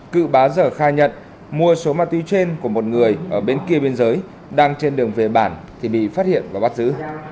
cựu bá dở khai nhận mua số ma túy trên của một người ở bên kia biên giới đang trên đường về bản thì bị phát hiện và bắt giữ